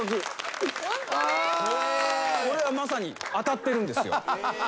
これはまさに当たってるんですよ。